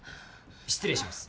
失礼します。